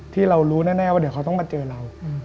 ที่เรารู้แน่ว่าเดี๋ยวเขาต้องมาเจอเรา